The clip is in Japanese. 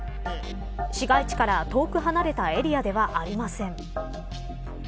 市街地から遠く離れたエリアではありません。